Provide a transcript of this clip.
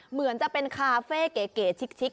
เหมือนจะเป็นคาเฟ่เก๋ชิก